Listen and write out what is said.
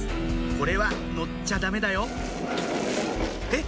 これは乗っちゃダメだよえっ